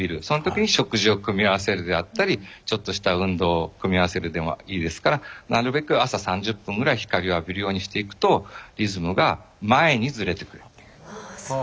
そのときに食事を組み合わせるであったりちょっとした運動を組み合わせるでもいいですからなるべく朝３０分ぐらい光を浴びるようにしていくとリズムが前にずれてくれる。